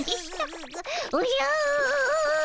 おじゃ！